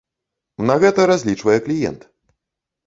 На гэта разлічвае кліент.